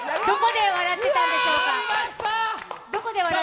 どこで笑ってたんでしょうか？